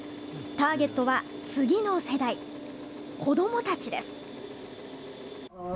ターゲットは次の世代子どもたちです。